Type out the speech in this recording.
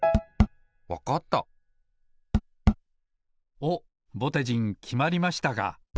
おっぼてじんきまりましたか。